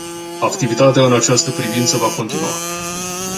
Activitatea în această privință va continua.